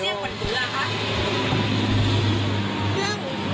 อ๋อแล้วก็เลี้ยวมาทางนี้